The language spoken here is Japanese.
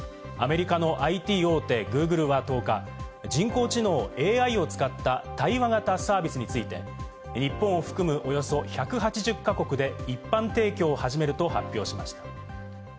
アメリカのＩＴ大手・Ｇｏｏｇｌｅは１０日、人工知能＝ＡＩを使った対話型サービスについて、日本を含むおよそ１８０か国で一般提供を始めると発表しました。